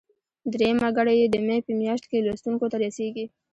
درېیمه ګڼه یې د مې په میاشت کې لوستونکو ته رسیږي.